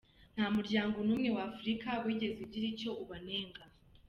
Nta n’umuryango n’umwe wa Afurika wigeze ugira icyo ubanenga.